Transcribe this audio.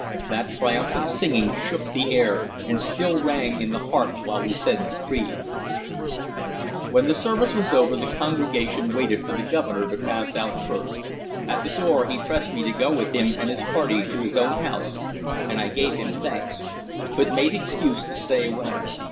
That triumphant singing shook the air, and still rang in the heart while we said the Creed. When the service was over, the congregation waited for the Governor to pass out first. At the door he pressed me to go with him and his party to his own house, and I gave him thanks, but made excuse to stay away.